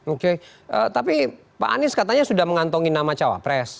oke tapi pak anies katanya sudah mengantongi nama cawapres